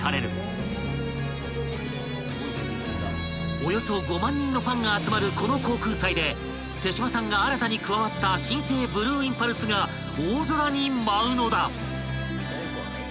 ［およそ５万人のファンが集まるこの航空祭で手島さんが新たに加わった新生ブルーインパルスが大空に舞うのだ］